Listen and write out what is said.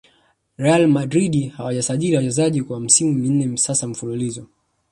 real adrid hawajasajiri wachezaji kwa misimu minne sasa mfululizo